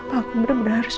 kenapa aku bener bener harus